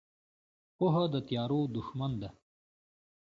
پوهه د تیارو دښمن ده.